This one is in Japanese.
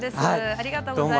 ありがとうございます。